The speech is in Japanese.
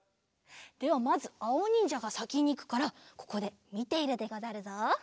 ではまずあおにんじゃがさきにいくからここでみているでござるぞ。